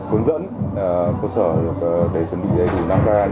hướng dẫn cơ sở để chuẩn bị đầy đủ đáng gai